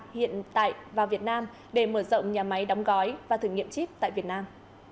hiện tại vào việt nam để mở rộng nhà máy đóng gói và thử nghiệm chip tại việt nam